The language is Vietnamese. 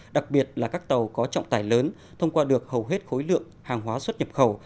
đặc biệt là các tàu có trọng tải lớn thông qua được hầu hết khối lượng hàng hóa xuất nhập khẩu